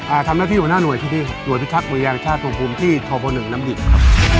ทำหน้าที่หัวหน้าหน่วยพิธีหน่วยพิทักษ์มือยางชาติตรงภูมิที่ทบหนึ่งน้ำดิบครับ